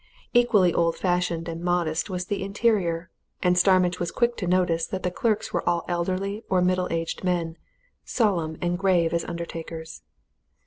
Equally old fashioned and modest was the interior and Starmidge was quick to notice that the clerks were all elderly or middle aged men, solemn and grave as undertakers.